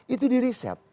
itu di riset